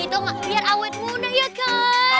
tau gak biar awet muda ya kan